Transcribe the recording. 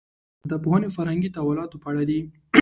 دا پوهنې فرهنګي تحولاتو په اړه دي.